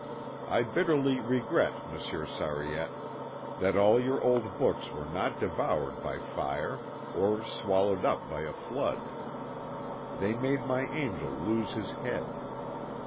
I bitterly regret, Monsieur Sariette, that all your old books were not devoured by fire or swallowed up by a flood. They made my angel lose his head.